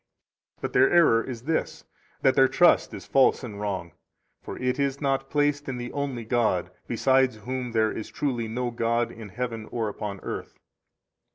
19 But their error is this, that their trust is false and wrong; for it is not placed in the only God, besides whom there is truly no God in heaven or upon earth.